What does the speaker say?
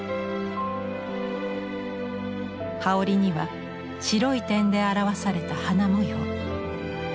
羽織には白い点で表された花模様。